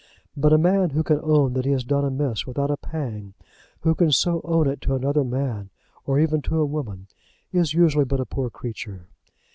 But a man who can own that he has done amiss without a pang, who can so own it to another man, or even to a woman, is usually but a poor creature.